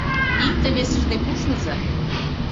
Икте-весыж дек ушныза